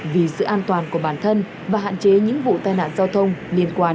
vì sự an toàn của bản thân và hạn chế những vụ tai nạn giao thông liên quan